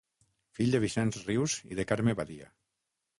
Fill de Vicenç Rius i de Carme Badia.